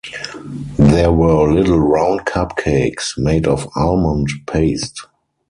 There were little round cup cakes made of almond paste.